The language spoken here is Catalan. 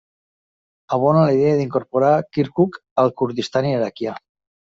Abona la idea d'incorporar Kirkuk al Kurdistan Iraquià.